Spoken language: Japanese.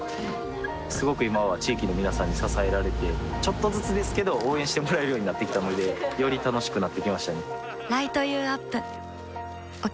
すごく今は地域の皆さんに支えられてちょっとずつですけど応援してもらえるようになってきたのでより楽しくなってきましたね